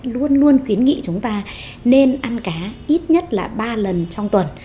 luôn luôn khuyến nghị chúng ta nên ăn cá ít nhất là ba lần trong tuần